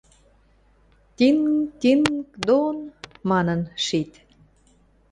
Тинг-тинг-дон... – манын шит.